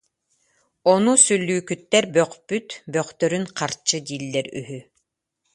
Ону сүллүүкүттэр бөхпүт, бөхтөрүн харчы дииллэр үһү